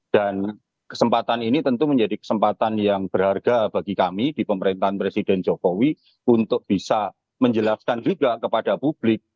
dan kesempatan ini tentu menjadi kesempatan yang berharga bagi kami di pemerintahan presiden jokowi untuk bisa menjelaskan juga kepada publik